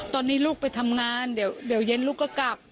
ตอนนี้ลูกไปทำงานเดี๋ยวเย็นลูกก็กลับ